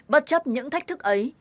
bất chấp những thách thức ấy